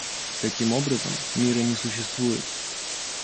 Таким образом, мира не существует.